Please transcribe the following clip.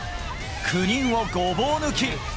９人をごぼう抜き。